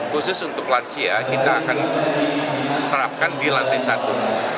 khusus untuk lansia kita akan terapkan di lantai satu